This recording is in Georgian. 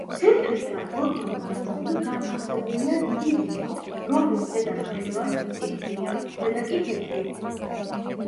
ცენტრისგან ოდნავ მარცხნივ, განთავსებულია დიდი დისკო, რომლის ზედა ნახევარიც წითელია, ქვედა კი თეთრი.